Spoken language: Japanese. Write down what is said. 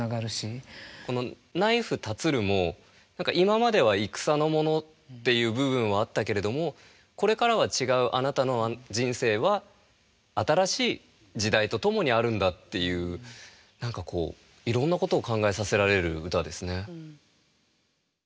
この「ナイフ立つる」も今までは戦のものっていう部分はあったけれどもこれからは違うあなたの人生は新しい時代と共にあるんだっていう何かこういろんなことを考えさせられる歌ですね。